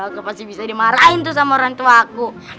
aku pasti bisa dimarahin tuh sama orangtuaku